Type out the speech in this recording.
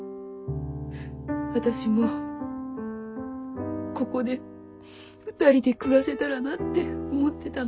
私もここで２人で暮らせたらなって思ってたの。